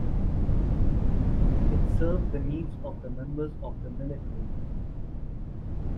It served the needs of the members of the military.